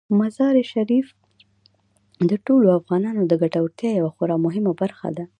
مزارشریف د ټولو افغانانو د ګټورتیا یوه خورا مهمه برخه ده.